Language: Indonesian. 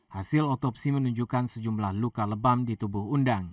hasil otopsi menunjukkan sejumlah luka lebam di tubuh undang